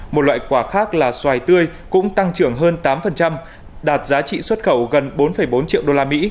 một loại quả khác là xoài tươi cũng tăng trưởng hơn tám đạt giá trị xuất khẩu gần bốn bốn triệu usd